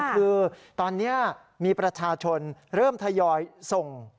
คือตอนนี้มีประชาชนเริ่มทยอยส่ง